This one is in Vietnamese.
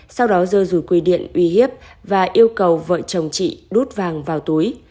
sau đó dơ rùi quy điện uy hiếp và yêu cầu vợ chồng chị đút vàng vào túi